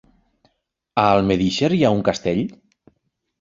A Almedíxer hi ha un castell?